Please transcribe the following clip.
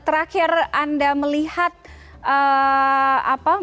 terakhir anda melihat apa